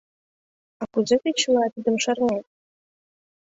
А кузе тый чыла тидым шарнет?